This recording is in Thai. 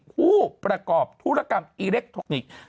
ผู้ประกอบธุรกรรมอิเล็กทรอนิกส์